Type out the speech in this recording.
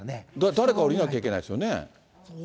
誰か降りなきゃいけないですよね。